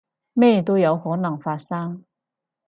咩都有可能發生